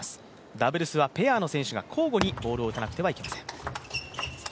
ダブルスはペアの選手が交互にボールを打たなければいけません。